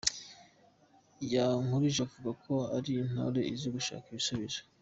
Yankurije avuga ko ari intore izi gushaka ibisubizo.